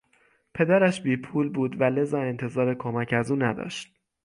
پدرش بیپول بود و لذا انتظار کمک از او نداشت.